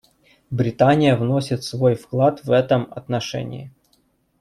Британия вносит свой вклад в этом отношении.